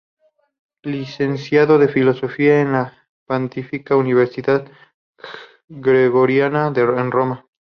Licenciado en Filosofía en la Pontificia Universidad Gregoriana en Roma.